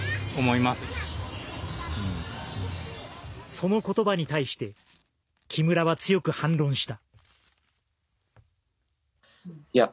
そのことばに対して木村は強く反論した。